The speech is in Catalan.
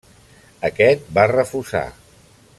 Aquest va refusar.